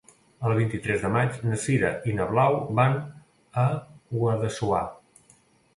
El vint-i-tres de maig na Sira i na Blau van a Guadassuar.